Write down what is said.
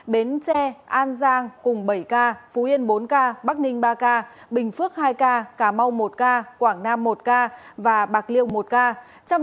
bến tre an giang cùng bảy ca phú yên bốn ca bắc ninh ba ca bình phước hai ca cà mau một ca quảng nam một ca và bạc liêu một ca